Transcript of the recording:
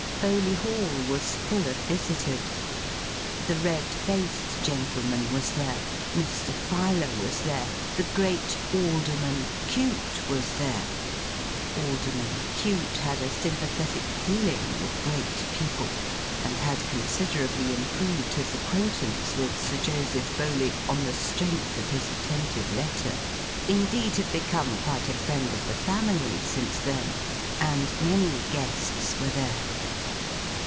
Bowley Hall was full of visitors. The red faced gentleman was there, Mr. Filer was there, the great Alderman Cute was there—Alderman Cute had a sympathetic feeling with great people, and had considerably improved his acquaintance with Sir Joseph Bowley on the strength of his attentive letter: indeed had become quite a friend of the family since then—and many guests were there.